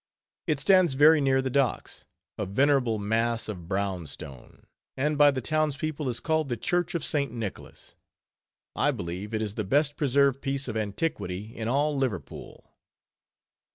It stands very near the docks, a venerable mass of brown stone, and by the town's people is called the Church of St. Nicholas. I believe it is the best preserved piece of antiquity in all Liverpool.